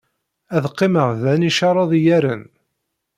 Ad qqimeɣ dani careḍ iyaren.